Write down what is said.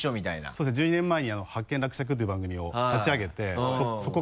そうですね１２年前に「発見らくちゃく！」という番組を立ち上げてそこから。